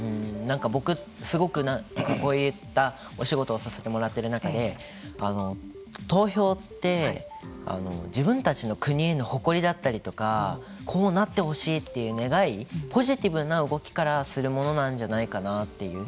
僕、すごくこういったお仕事をさせてもらっている中で投票って自分たちの国への誇りだったりとかこうなってほしいという願いポジティブな動きからするものなんじゃないかなという。